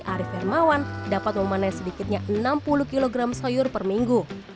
ari firmawan dapat memanai sedikitnya enam puluh kg sayur per minggu